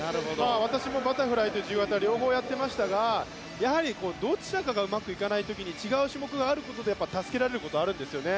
私もバタフライと自由形両方やっていましたがどちらかがうまくいかない時に違う種目があることでやっぱり助けられることってあるんですよね。